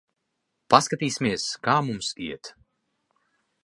Paskatīsimies, kā mums iet.